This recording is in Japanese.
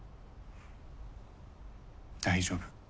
大丈夫。